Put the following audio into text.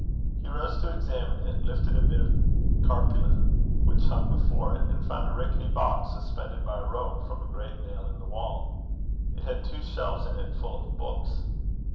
He rose to examine it, lifted a bit of tarpaulin which hung before it, and found a rickety box, suspended by a rope from a great nail in the wall. It had two shelves in it full of books.